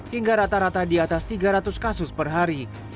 hingga rata rata di atas tiga ratus kasus per hari